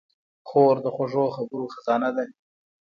خور د خوږو خبرو خزانه ده.